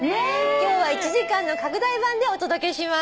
今日は１時間の拡大版でお届けします。